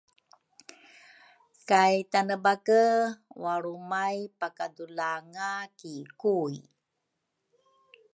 kay Tanebake walrumay pakadulanga ki Kui.